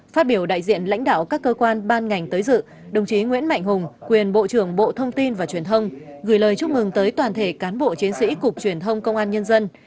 phát biểu đại diện lãnh đạo các cơ quan ban ngành tới dự đồng chí nguyễn mạnh hùng quyền bộ trưởng bộ thông tin và truyền thông gửi lời chúc mừng tới toàn thể cán bộ chiến sĩ cục truyền thông công an nhân dân